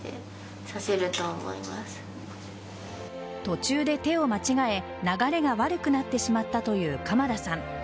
途中で手を間違え流れが悪くなってしまったという鎌田さん。